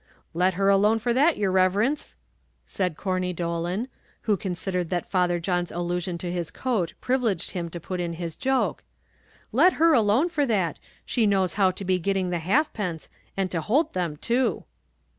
"Let her alone for that, yer riverence," said Corney Dolan who considered that Father John's allusion to his coat privileged him to put in his joke "let her alone for that; she knows how to be getting the halfpence, and to hoult them too."